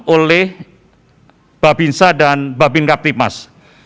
oleh babinsa dan babin kaptipmas